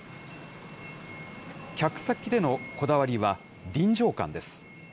客席でのこだわりは臨場感です。